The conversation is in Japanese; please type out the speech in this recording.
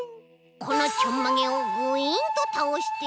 このちょんまげをグインとたおして。